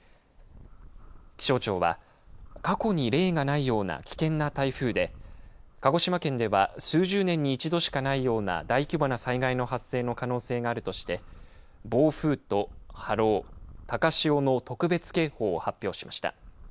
気象庁は過去に例がないような危険な台風で鹿児島県では数十年に一度しかないような大規模な災害の発生の可能性があるとして暴風と波浪高潮の特別警報を発表しました。